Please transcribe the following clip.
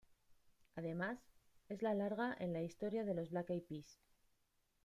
Además, es la larga en la historia de los Black Eyed Peas.